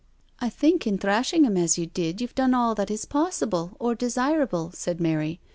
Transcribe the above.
i think in thrashing him as you did you've done all is possible, or desirable," said Mary.